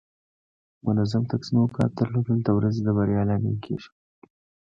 منظم تقسیم اوقات درلودل د ورځې د بریا لامل کیږي.